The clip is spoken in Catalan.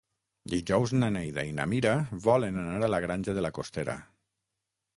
Dijous na Neida i na Mira volen anar a la Granja de la Costera.